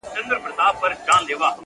په دې منځ کي شېردل نومي داړه مار وو؛